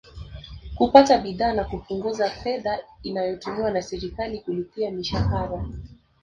Kupata bidhaa na kupunguza fedha inayotumiwa na serikali kulipia mishahara